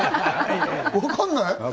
分かんない？